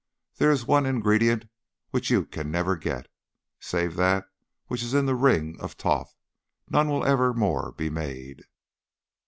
There is one ingredient which you can never get. Save that which is in the ring of Thoth, none will ever more be made.